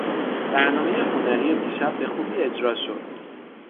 برنامهٔ هنری دیشب بخوبی اجراء شد.